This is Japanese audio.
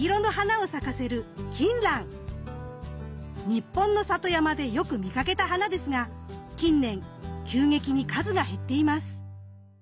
日本の里山でよく見かけた花ですが近年急激に数が減っています。